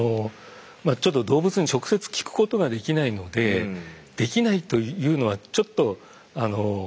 まあちょっと動物に直接聞くことができないのでできないというのはちょっとあの何て言うんですかね。